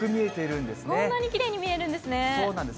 こんなにきれいに見えるんでそうなんです。